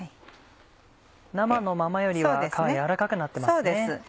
生のままよりは皮は柔らかくなってますね。